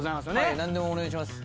何でもお願いします。